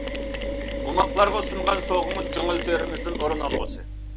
ئوماقلارغا سۇنغان سوۋغىڭىز كۆڭۈل تۆرىمىزدىن ئورۇن ئالغۇسى!